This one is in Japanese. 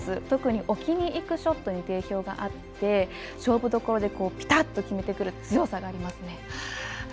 特に置きにいくショットに定評があって勝負どころでピタッと決めてくる強さがありますね。